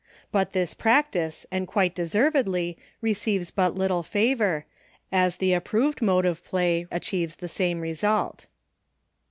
But this practice, and quite deservedly, receives but little favor, as the approved mode of play achieves the same result.